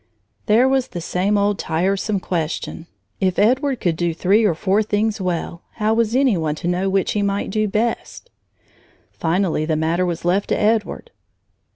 There was the same old tiresome question: if Edward could do three or four things well, how was any one to know which he might do best? Finally the matter was left to Edward.